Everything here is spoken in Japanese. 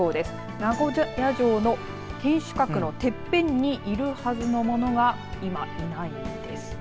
名古屋城の天守閣のてっぺんにいるはずのものが今、いないんです。